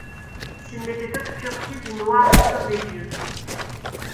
S’il n’était obscurci du noir essaim des dieux.